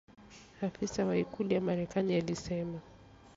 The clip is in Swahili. afisa wa ikulu ya Marekani alisema